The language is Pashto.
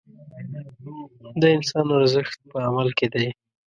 د انسان ارزښت په عمل کې دی.